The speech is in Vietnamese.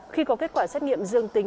khi có kết quả xét nghiệm dương tính